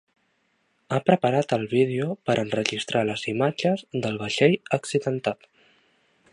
Ha preparat el vídeo per enregistrar les imatges del vaixell accidentat.